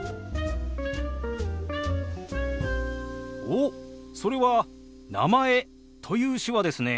おっそれは「名前」という手話ですね。